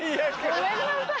ごめんなさい。